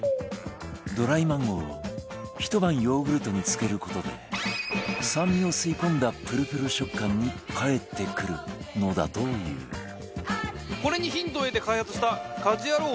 ドライマンゴーをひと晩、ヨーグルトに漬ける事で酸味を吸い込んだプルプル食感に帰ってくるのだというこれにヒントを得て開発した『家事ヤロウ！！！』